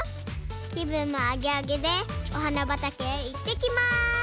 きぶんもアゲアゲでおはなばたけへいってきます。